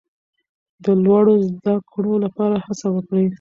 د لوړو زده کړو لپاره هڅه وکړئ.